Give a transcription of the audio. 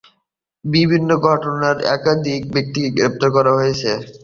বিভিন্ন ঘটনায় একাধিক ব্যক্তিকে গ্রেফতার করা হয়েছে।